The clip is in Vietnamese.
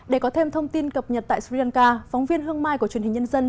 để có thêm thông tin cập nhật tại sri lanka phóng viên hương mai của truyền hình nhân dân